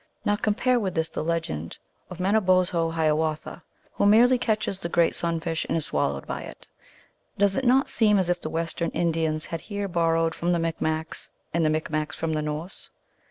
Now compare with this the legend of Mano bozho Hiawatha, who merely catches the great sun fish, and is swallowed by it. Does it not seem as if the Western Indians had here borrowed from the Micmacs, and the Micmacs from the Norse